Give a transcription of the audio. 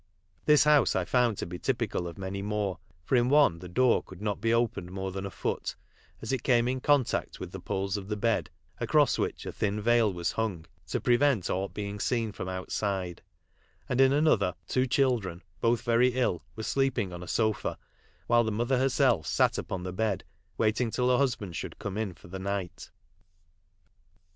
This house I found to be typical of many more, for in one the door could not be opened more than a foot, as it came in contact with the poles of the bed, across which a thin veil was hung to prevent ought being seen from outside ; and in another, two children, both very ill, were sleep ing on a sofa, while the mother herself sat upon the bed, waiting till her husband should come in for the night.